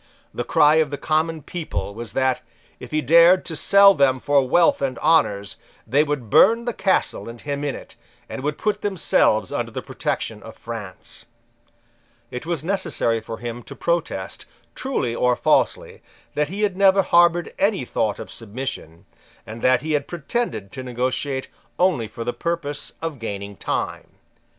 The cry of the common people was that, if he dared to sell them for wealth and honours, they would burn the Castle and him in it, and would put themselves under the protection of France, It was necessary for him to protest, truly or falsely, that he had never harboured any thought of submission, and that he had pretended to negotiate only for the purpose of gaining time.